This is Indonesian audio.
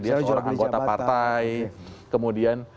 dia seorang anggota partai kemudian